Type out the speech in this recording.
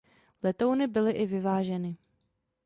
Letouny byly i vyváženy.